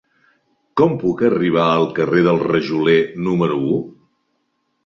Com puc arribar al carrer del Rajoler número u?